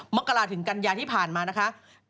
มกราศถึงกันยาที่ผ่านมานะคะ